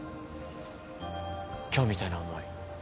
今日みたいな思い